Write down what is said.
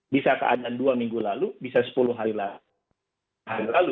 bisa keadaan dua minggu lalu bisa sepuluh hari lah